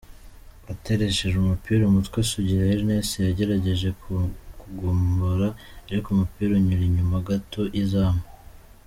Ateresheje umupira umutwe, Sugira Erneste yagerageje kugombora ariko umupira unyura inyuma gato y'izamu.